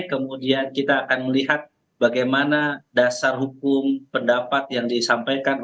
kemudian kita akan melihat bagaimana dasar hukum pendapat yang disampaikan